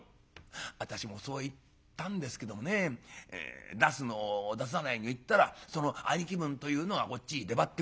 「私もそう言ったんですけどもね出すの出さないの言ったらその兄貴分というのがこっちへ出張ってくる。